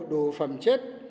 đủ phẩm chất